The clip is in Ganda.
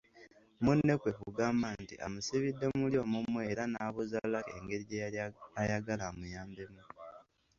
Munne kwe kugamba nti amusibidde muli omumwe era n’abuuza Lucky engeri gye yali ayagala amuyambemu.